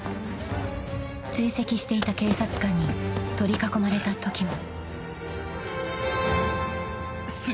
［追跡していた警察官に取り囲まれたときも］